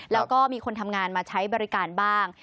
แล้วก็มีคนทำงานมาใช้บริการบ้าง